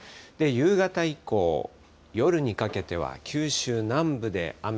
夕方以降、夜にかけては九州南部で雨。